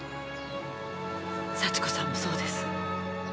幸子さんもそうです。